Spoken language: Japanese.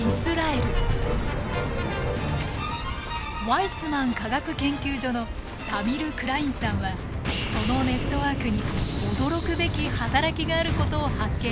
ワイツマン科学研究所のタミル・クラインさんはそのネットワークに驚くべき働きがあることを発見しました。